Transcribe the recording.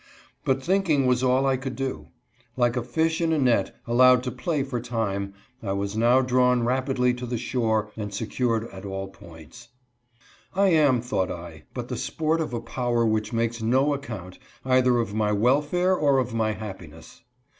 But thinking was all I could do. Like a fish in a net, allowed to play for a time, I was now drawn rapidly to the shore and secured at all points. " I am," thought I, " but the sport of a power which makes no account, either of my welfare or of my happiness.